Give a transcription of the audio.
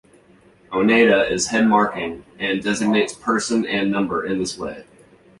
Oneida is head-marking, and designates person and number in this way.